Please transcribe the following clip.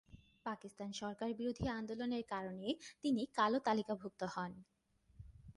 পাকিস্তান সরকার বিরোধী আন্দোলনের কারণে তিনি কালো তালিকাভুক্ত হন।